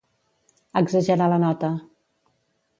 Exagerar la nota.